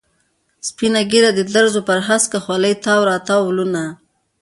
سپینه ږیره، د دروزو پر هسکه خولې تاو را تاو ولونه.